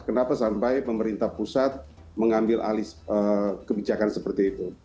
kenapa sampai pemerintah pusat mengambil alih kebijakan seperti itu